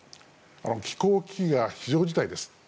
気候危機が非常事態です。